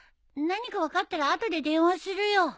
何か分かったら後で電話するよ。